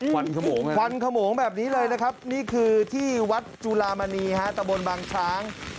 วันขโมงเลยควันขโมงแบบนี้เลยนะครับนี่คือที่วัดจุลามณีฮะตะบนบางช้าง